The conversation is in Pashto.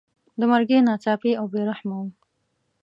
د مرګي ناڅاپي او بې رحمه وو.